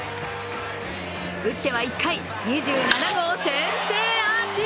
打っては１回、２７号先制アーチ。